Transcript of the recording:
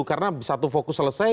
karena satu fokus selesai